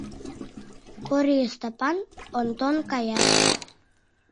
Кори, Стапан, Онтон каят.